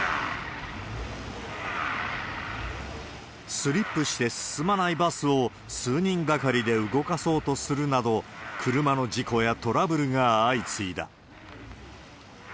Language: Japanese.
スリップして進まないバスを数人がかりで動かそうとするなど、車の事故やトラブルが相次いだ。